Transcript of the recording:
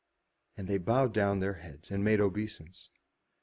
And they bowed down their heads, and made obeisance.